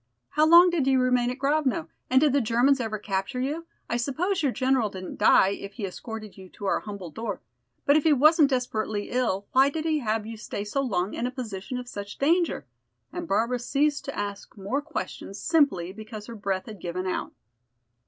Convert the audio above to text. How long did you remain at Grovno, and did the Germans ever capture you? I suppose your general didn't die, if he escorted you to our humble door. But if he wasn't desperately ill, why did he have you stay so long in a position of such danger?" And Barbara ceased to ask more questions simply because her breath had given out.